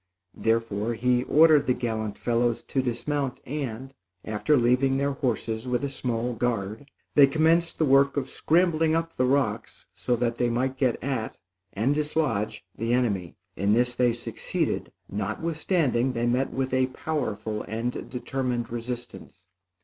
Therefore he ordered the gallant fellows to dismount, and after leaving their horses with a small guard, they commenced the work of scrambling up the rocks so that they might get at, and dislodge the enemy. In this they succeeded, notwithstanding they met with a powerful and determined resistance.